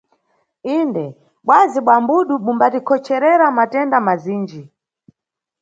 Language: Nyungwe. Inde, bwazi bza mbudu bumbatikhocherera matenda mazinji.